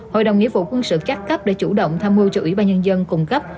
hội đồng nghĩa vụ quân sự các cấp đã chủ động tham mưu cho ủy ban nhân dân cung cấp